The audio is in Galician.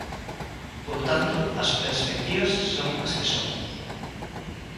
Polo tanto, as perspectivas son as que son.